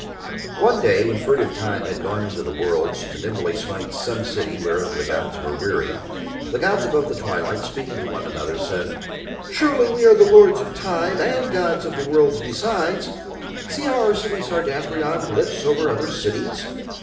One day when furtive Time had gone into the worlds to nimbly smite some city whereof the gods were weary, the gods above the twilight speaking to one another said: "Surely we are the lords of Time and gods of the worlds besides. See how our city Sardathrion lifts over other cities.